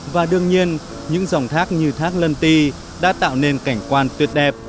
và đương nhiên những dòng thác như thác lân ti đã tạo nên cảnh quan tuyệt đẹp